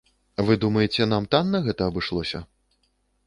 Вы думаеце, нам танна гэта абышлося?